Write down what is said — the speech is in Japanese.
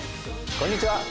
こんにちは。